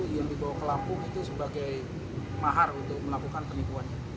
yang dibawa ke lampung itu sebagai mahar untuk melakukan penipuannya